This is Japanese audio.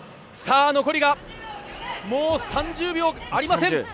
残りもう３０秒ありません。